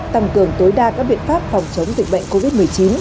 tăng cường tối đa các biện pháp phòng chống dịch bệnh covid một mươi chín